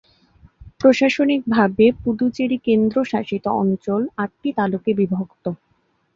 প্রশাসনিকভাবে পুদুচেরি কেন্দ্রশাসিত অঞ্চল আটটি তালুকে বিভক্ত।